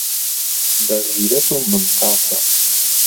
بهغيرەت و ممتاسه